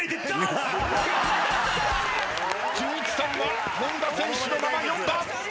じゅんいちさんは本田選手のまま４番。